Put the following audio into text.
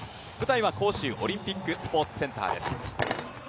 舞台は杭州オリンピックスポーツセンターです。